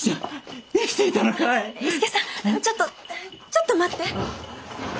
ちょっとちょっと待って。